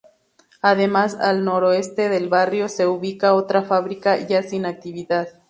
Además, al noroeste del barrio se ubica otra fábrica ya sin actividad.